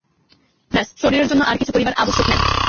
ব্যস্, শরীরের জন্য আর কিছু করিবার আবশ্যক নাই।